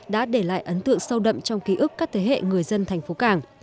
đã để lại ấn tượng sâu đậm trong ký ức các thế hệ người dân thành phố cảng